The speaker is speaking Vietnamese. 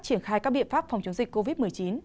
triển khai các biện pháp phòng chống dịch covid một mươi chín